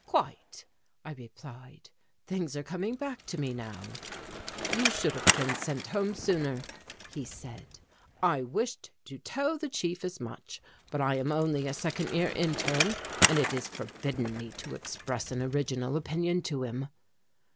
"Quite," I replied, "things are coming back to me now." "You should have been sent home sooner," he said. "I wished to tell the chief as much, but I am only a second year interne and it is forbidden me to express an original opinion to him."